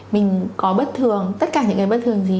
mình có bất thường tất cả những cái bất thường gì